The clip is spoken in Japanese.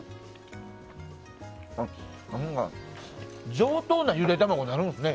上等なゆで卵になるんですね。